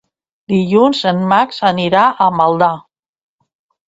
Dilluns en Max anirà a Maldà.